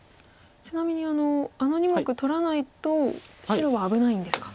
ちなみにあの２目取らないと白は危ないんですか。